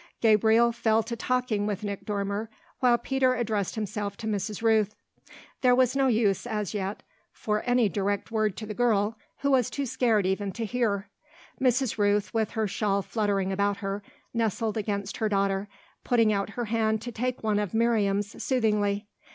Gabriel fell to talking with Nick Dormer while Peter addressed himself to Mrs. Rooth. There was no use as yet for any direct word to the girl, who was too scared even to hear. Mrs. Rooth, with her shawl fluttering about her, nestled against her daughter, putting out her hand to take one of Miriam's soothingly.